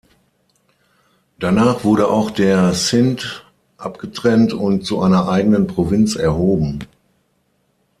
Danach wurde auch der Sindh abgetrennt und zu einer eigenen Provinz erhoben.